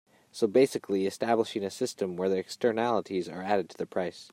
So basically establishing a system where the externalities are added to the price.